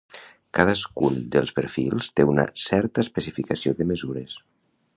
Cadascun dels perfils té una certa especificació de mesures.